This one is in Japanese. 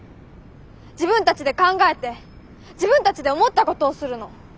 自分たちで考えて自分たちで思ったことをするの。